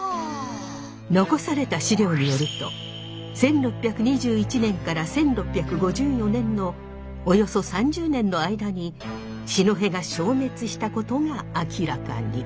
残された資料によると１６２１年から１６５４年のおよそ３０年の間に四戸が消滅したことが明らかに！